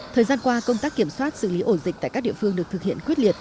thời gian qua công tác kiểm soát xử lý ổ dịch tại các địa phương được thực hiện quyết liệt